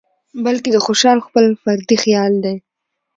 بلکې د خوشال خپل فردي خيال دى